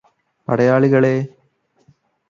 പടയാളികളേ